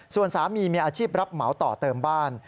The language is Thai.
ส่วนสามีมีอาชีพรับเหมาต่อเติมบ้าน